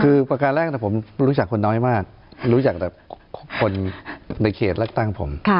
คือประการแรกผมรู้จักคนน้อยมากรู้จักแต่คนในเขตเลือกตั้งผม